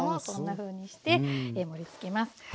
こんなふうにして盛りつけます。